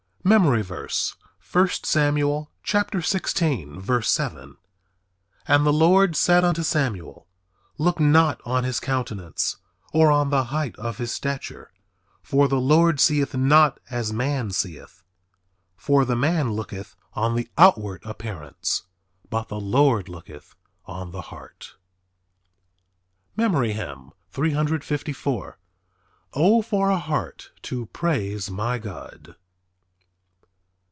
MEMORY VERSE, I Samuel 16: 7 "And the Lord said unto Samuel, Look not on his countenance, or on the height of his stature; for the Lord seeth not as man seeth; for the man looketh on the outward appearance, but the Lord looketh on the heart." MEMORY HYMN _"O for a heart to praise my God."